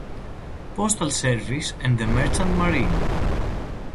Postal Service and the Merchant Marine.